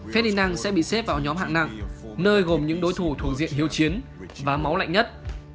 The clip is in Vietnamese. fedlinang sẽ bị xếp vào nhóm hạng nặng nơi gồm những đối thủ thuộc diện hiếu chiến và máu lạnh nhất